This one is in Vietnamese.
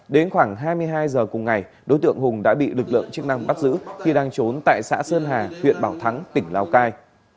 đến khoảng hai mươi hai h cùng ngày đối tượng hùng đã bị lực lượng chức năng bắt giữ khi đang trốn tại xã sơn hà huyện bảo thắng tỉnh lào cai